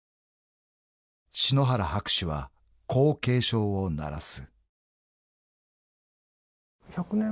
［篠原博士はこう警鐘を鳴らす］